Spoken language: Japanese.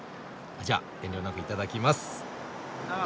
じゃ遠慮なくいただきます。